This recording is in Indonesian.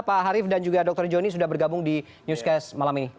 pak harif dan juga dr joni sudah bergabung di newscast malam ini